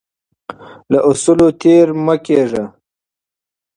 له اصولو تیر مه کیږئ.